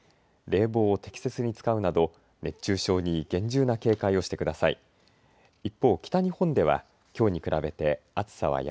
冷房を適切に使うなど熱中症に厳重な警戒をしてください。